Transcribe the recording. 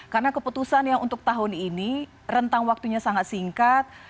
karena keputusan yang untuk tahun ini rentang waktunya sangat singkat